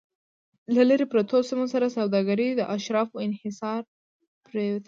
له لرې پرتو سیمو سره سوداګري د اشرافو انحصار پرېوته